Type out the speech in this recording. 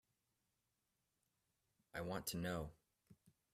I want to know.